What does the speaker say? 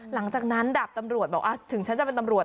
หลังจากนั้นดาบตำรวจบอกถึงฉันจะเป็นตำรวจ